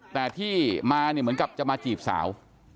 แต่ที่มาเนี่ยเหมือนกับจะมาจีบสาว